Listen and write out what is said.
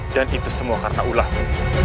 dan itu semua karena ulamu